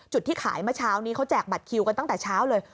ที่ขายเมื่อเช้านี้เขาแจกบัตรคิวกันตั้งแต่เช้าเลย